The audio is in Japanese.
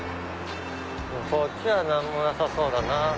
こっちは何もなさそうだな。